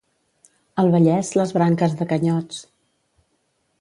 Al Vallès, les branques de canyots.